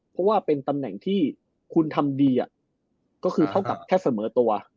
เพราะว่าเป็นตำแหน่งที่คุณทำดีก็คือเท่ากับแค่เสมอตัว